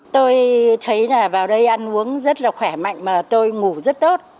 tôi thấy là vào đây ăn uống rất là khỏe mạnh mà tôi ngủ rất tốt